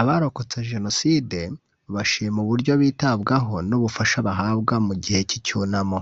Abarokotse Jenoside bashima uburyo bitabwaho n’ubufasha bahabwa mu gihe cy’icyunamo